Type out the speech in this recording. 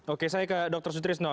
oke saya ke dr sutrisno